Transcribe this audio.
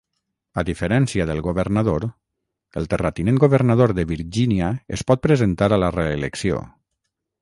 A diferència del governador, el terratinent governador de Virgínia es pot presentar a la reelecció.